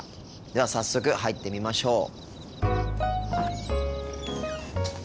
では早速入ってみましょう。